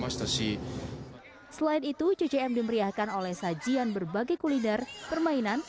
selain itu ccm dimeriahkan oleh sajian berbagai kuliner permainan